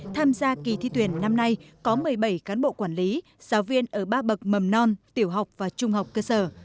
tham gia kỳ thi tuyển năm nay có một mươi bảy cán bộ quản lý giáo viên ở ba bậc mầm non tiểu học và trung học cơ sở